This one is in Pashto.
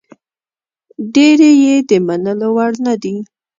ډېرې یې د منلو وړ نه دي.